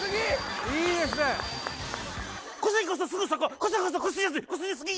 いいですね